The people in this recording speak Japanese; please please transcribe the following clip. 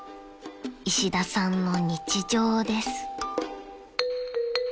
［石田さんの日常です］